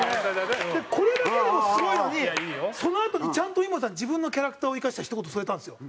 これだけでもすごいのにそのあとにちゃんと井森さん自分のキャラクターを生かしたひと言添えたんですよ。